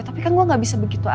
tapi kan gue gak bisa begitu aja